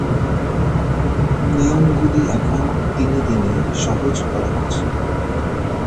নিয়মগুলি এখন দিনে দিনে সহজ করা হচ্ছে।